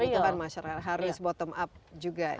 kebutuhan masyarakat harus bottom up juga ya